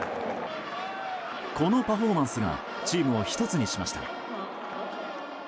このパフォーマンスがチームを１つにしました。